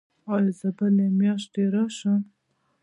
ایا زه بلې میاشتې راشم؟